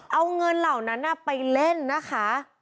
เอาเงินเหล่านั้นไปเล่นนะคะ